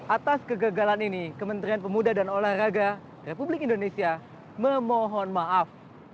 atas kegagalan ini kementerian pemuda dan olahraga republik indonesia memohon maaf